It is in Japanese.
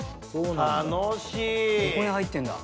ここに入ってるんだ。